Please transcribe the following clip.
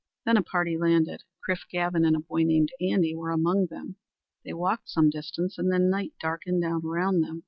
Then a party landed; Chrif, Gavin, and a boy named Andy were among them. They walked some distance and then night darkened down around them.